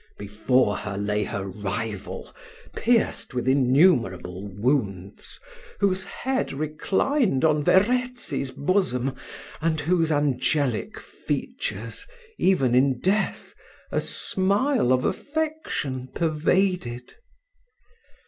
Before her lay her rival, pierced with innumerable wounds, whose head reclined on Verezzi's bosom, and whose angelic features, even in death, a smile of affection pervaded.